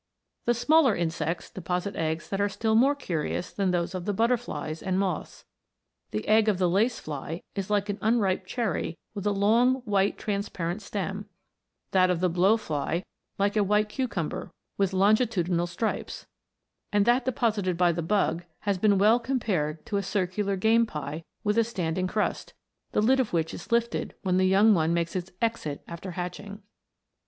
The smaller insects deposit eggs that are still more curious than those of the butterflies and moths. The egg of the lace fly is like an unripe cherry with a long white transparent stem ; that of the blow fly like a white cucumber with longitudinal stripes ; and that deposited by the bug has been well com pared to a circular game pie with a standing crust, the lid of which is lifted when the young one makes its exit after hatching.